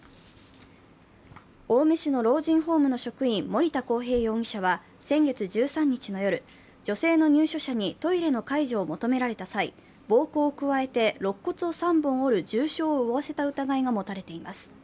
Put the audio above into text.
青梅市の老人ホームの職員、森田航平容疑者は先月１３日の夜、女性の入所者にトイレの介助を求められた際、暴行を加えて肋骨を３本折る重傷を負わせた疑いが持たれています。